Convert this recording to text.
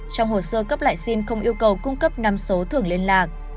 trong hồ sơ cấp lại sim không yêu cầu cung cấp năm số thưởng liên lạc